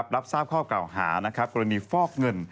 รับทราบข้อเก่าหากรณีฟอกเงิน